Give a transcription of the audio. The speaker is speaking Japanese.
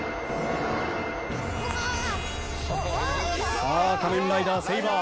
さあ仮面ライダーセイバー。